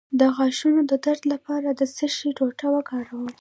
د غاښونو د درد لپاره د څه شي ټوټه وکاروم؟